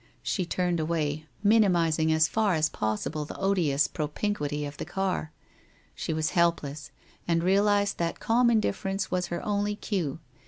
She turned away, minimizing as far as possible the odious propinquity of the car. She was helpless, and realized that calm indifference was her only cue.